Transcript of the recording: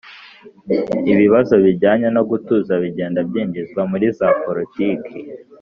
ibibazo bijyanye no gutuza bigenda byinjizwa muri za politiki